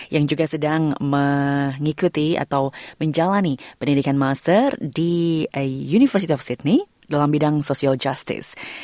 yang juga sedang mengikuti atau menjalani pendidikan master di university of sydney dalam bidang social justice